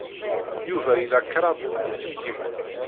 Yuba ila kraḍ n yiselkimen.